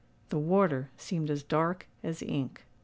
The water seemed as dark as ink.